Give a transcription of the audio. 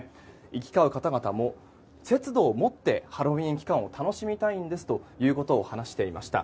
行き交う方々も節度を持ってハロウィーン期間を楽しみたいんですということを話していました。